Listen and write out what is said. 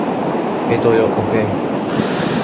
“Ei toi oo oikei.